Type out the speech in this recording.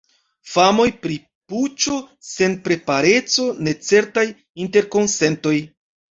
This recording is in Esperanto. Famoj pri puĉo, senprepareco, necertaj interkonsentoj.